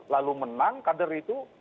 lalu menang kader itu